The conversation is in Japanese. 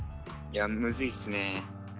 いやむずいっすね。